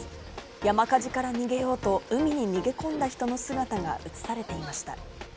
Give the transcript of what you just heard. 山火事から逃げようと、海に逃げ込んだ人の姿が映されていました。